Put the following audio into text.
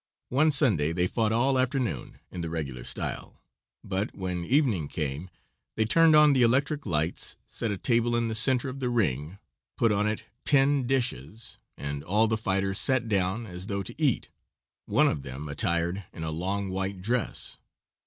One Sunday they fought all afternoon in the regular style, but when evening came, they turned on the electric lights, set a table in the center of the ring, put on it tin dishes, and all the fighters sat down as though to eat, one of them attired in a long, white dress.